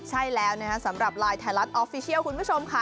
ใช่แล้วนะคะสำหรับไลน์ไทยรัฐออฟฟิเชียลคุณผู้ชมค่ะ